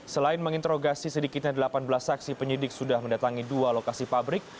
selain menginterogasi sedikitnya delapan belas saksi penyidik sudah mendatangi dua lokasi pabrik